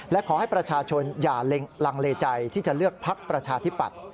และขอให้ประชาชนอย่าลังเลใจที่จะเลือกพักประชาธิปัตย์